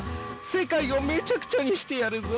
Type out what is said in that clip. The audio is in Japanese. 世界をめちゃくちゃにしてやるぞ！